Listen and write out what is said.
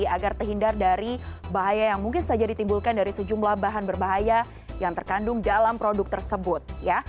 agar terhindar dari bahaya yang mungkin saja ditimbulkan dari sejumlah bahan berbahaya yang terkandung dalam produk tersebut